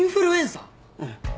うん。